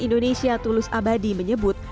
indonesia tulus abadi menyebut